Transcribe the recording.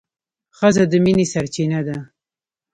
ښځه د مینې سرچینه ده.